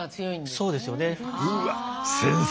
そうですよね。